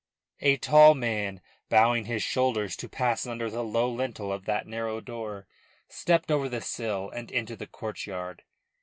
A tall man, bowing his shoulders to pass under the low lintel of that narrow door, stepped over the sill and into the courtyard.